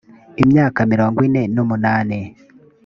imyaka mirongo ine n umunani